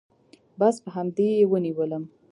بس په همدې يې ونيولم.